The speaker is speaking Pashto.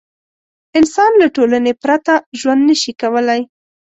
انسان له ټولنې پرته ژوند نه شي کولی.